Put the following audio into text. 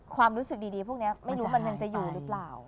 ความรู้สึกดีพวกนี้ไม่รู้มันยังจะอยู่หรือเปล่า